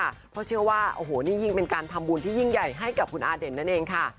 เพราะเชื่อว่าโอ้โหนี่ยิ่งเป็นการทำบุญที่ยิ่งใหญ่ให้กับคุณอาเด่นนั่นเองค่ะ